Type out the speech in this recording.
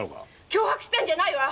脅迫したんじゃないわ！